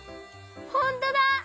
ほんとだ！